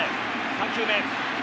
３球目。